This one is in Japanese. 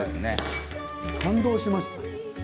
感動しました。